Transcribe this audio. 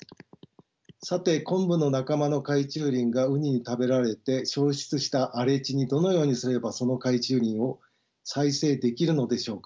さてコンブの仲間の海中林がウニに食べられて消失した荒れ地にどのようにすればその海中林を再生できるのでしょうか。